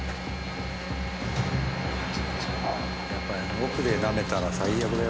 奥でなめたら最悪だよ。